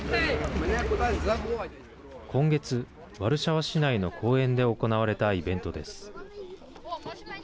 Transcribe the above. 今月、ワルシャワ市内の公園で行われたイベントです。